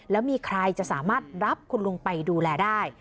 แล้วมีใครจะสามารถรับคุณลุงไปดูแลได้